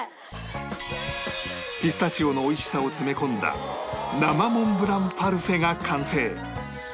ピスタチオの美味しさを詰め込んだ生モンブランパルフェが完成